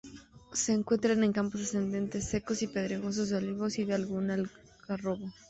Se encuentran en campos ascendentes, secos y pedregosos de olivos y de algún algarrobo.